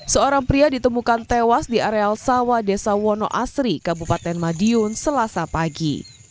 seorang pria ditemukan tewas di areal sawah desa wonoasri kabupaten madiun selasa pagi